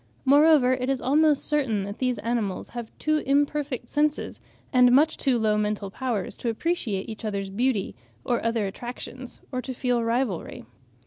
Moreover it is almost certain that these animals have too imperfect senses and much too low mental powers to appreciate each other's beauty or other attractions, or to feel rivalry.